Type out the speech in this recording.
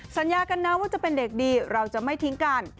สัญญากันนะว่าจะเป็นเด็กดีเราจะไม่ทิ้งกัน